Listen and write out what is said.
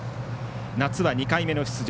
夏は２回目の出場。